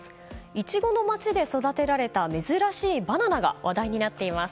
いちごのまちで育てられた珍しいバナナが話題になっています。